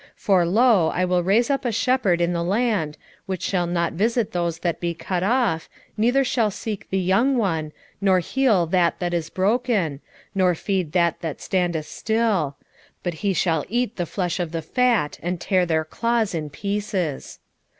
11:16 For, lo, I will raise up a shepherd in the land, which shall not visit those that be cut off, neither shall seek the young one, nor heal that that is broken, nor feed that that standeth still: but he shall eat the flesh of the fat, and tear their claws in pieces.